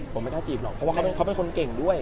ผมไม่กล้าจีบหรอกเพราะว่าเขาเป็นคนเก่งด้วย